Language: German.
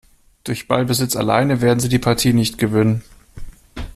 Durch Ballbesitz alleine werden sie die Partie nicht gewinnen.